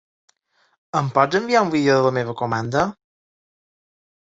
Em pots enviar un vídeo de la meva comanda?